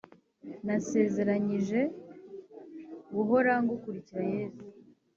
Nasezeranyije guhora ngukurikira yesu